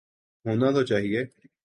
ہونا تو چاہیے۔